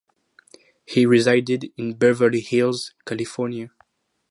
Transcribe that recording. He resided in Beverly Hills, California.